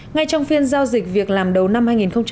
ngay trong phiên giao dịch việc làm đầu năm hai nghìn một mươi bảy